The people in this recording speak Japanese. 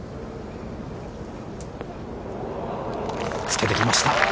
つけてきました。